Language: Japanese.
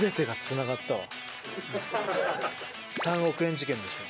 ３億円事件でしょ？